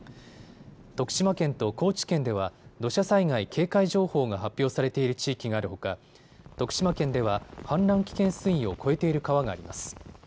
徳島県と高知県では土砂災害警戒情報が発表されている地域があるほか徳島県では氾濫危険水位を超えている川があります。